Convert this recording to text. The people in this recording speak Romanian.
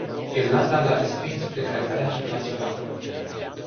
Irlanda l-a respins prin referendum național.